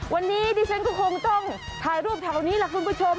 วันนี้ดิฉันก็คงต้องถ่ายรูปแถวนี้ล่ะคุณผู้ชม